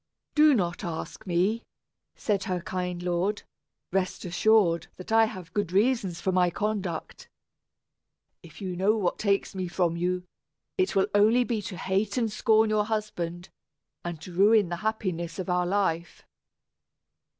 "Do not ask me," said her kind lord; "rest assured that I have good reasons for my conduct. If you know what takes me from you, it will only be to hate and scorn your husband, and to ruin the happiness of our life."